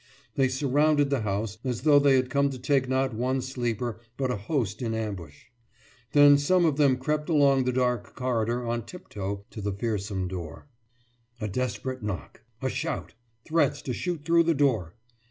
They surrounded the house as though they had come to take not one sleeper but a host in ambush. Then some of them crept along the dark corridor on tiptoe to the fearsome door. A desperate knock a shout threats to shoot through the door.